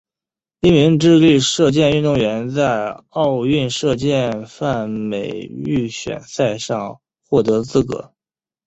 一名智利射箭运动员在奥运射箭泛美预选赛上获得资格。